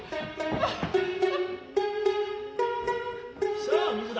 さあ水だ。